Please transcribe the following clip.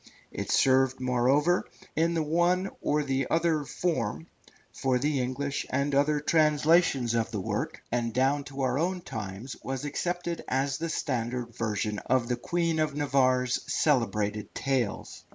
It served, moreover, in the one or the other form, for the English and other translations of the work, and down to our own times was accepted as the standard version of the Queen of Navarre's celebrated tales.